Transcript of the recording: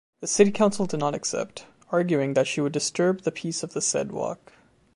The city council did not accept, arguing that she would disturb the peace of the said walk.